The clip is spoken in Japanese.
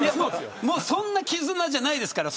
そんな絆じゃないですから。